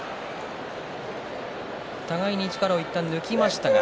互いに力をいったん抜きました。